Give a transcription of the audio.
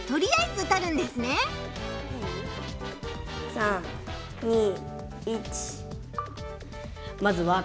３２１。